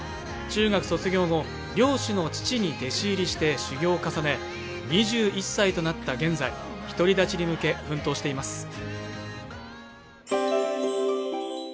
中学卒業後漁師の父に弟子入りして修行を重ね２１歳となった現在独り立ちに向け奮闘しています